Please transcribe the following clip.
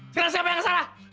sekarang siapa yang salah